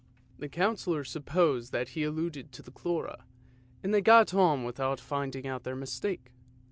THE GOLOSHES OF FORTUNE 315 supposed that he alluded to the cholera, and they got on without finding out their mistake.